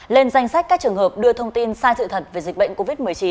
lên danh sách các trường hợp đưa thông tin sai sự thật về dịch bệnh covid một mươi chín